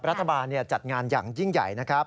รัฐบาลจัดงานอย่างยิ่งใหญ่นะครับ